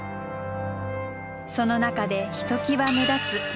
その中でひときわ目立つ